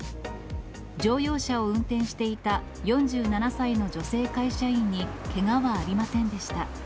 乗用車を運転していた４７歳の女性会社員にけがはありませんでした。